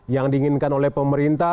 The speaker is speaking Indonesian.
yang diinginkan oleh pemerintah